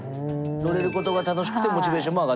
乗れることが楽しくてモチベーションも上がっていくと。